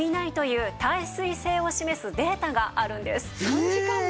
３時間も？